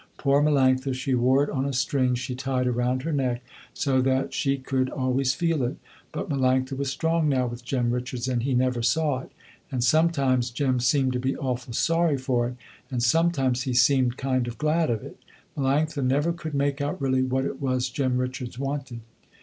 Poor Melanctha, she wore it on a string she tied around her neck so that she could always feel it, but Melanctha was strong now with Jem Richards, and he never saw it. And sometimes Jem seemed to be awful sorry for it, and sometimes he seemed kind of glad of it. Melanctha never could make out really what it was Jem Richards wanted.